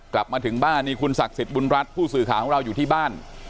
กลับมาถึงบ้านนี่คุณศักดิ์สิทธิ์บุญรัฐผู้สื่อข่าวของเราอยู่ที่บ้าน